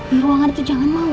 di ruangan itu jangan mau